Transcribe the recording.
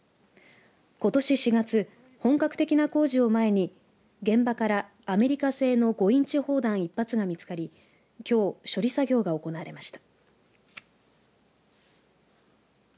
ことし４月、本格的な工事を前に現場からアメリカ製の５インチ砲弾１発が見つかりきょう処理作業が行われました。